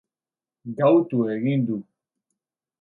Gautu egin du